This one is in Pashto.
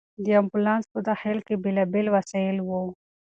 د امبولانس په داخل کې بېلابېل وسایل وو.